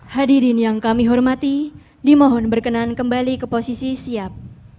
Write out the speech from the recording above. hadirin yang kami hormati dimohon berkenan kembali ke posisi siap